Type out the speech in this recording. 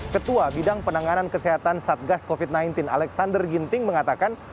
ketua bidang penanganan kesehatan satgas covid sembilan belas alexander ginting mengatakan